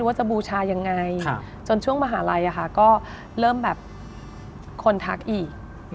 ว่าจะบูชายังไงจนช่วงมหาลัยก็เริ่มแบบคนทักอีก